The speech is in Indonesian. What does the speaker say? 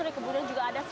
yang bertujuan untuk